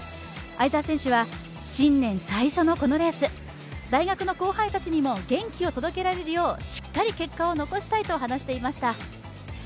相澤選手は新年最初のこのレース、大学の後輩たちにも元気を届けられるようしっかり結果を残したいと話していました。